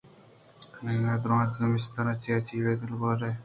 کٹَگ ءَ درّائینت زِمستان ءَ چیا جیڑے ءُ دِلوارگ ئے